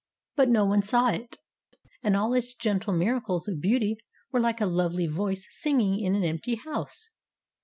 But no eye saw it, and all its gentle miracles of beauty were like a lovely voice singing in an empty house.